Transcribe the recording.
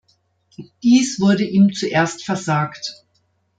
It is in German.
Dies wurde ihm zuerst versagt.